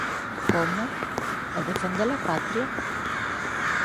Como? E defende-la patria?